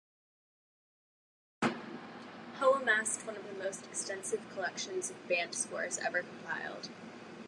Hoe amassed one of the most extensive collections of band scores ever compiled.